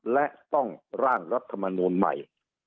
และต้องร่างรัฐมนูลใหม่